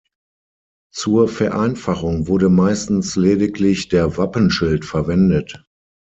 Zur Vereinfachung wurde meistens lediglich der Wappenschild verwendet.